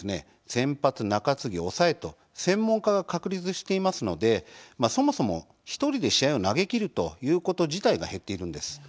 先発、中継ぎ、抑えと専門化が確立していますのでそもそも１人で試合を投げきるということ自体が減っているんです。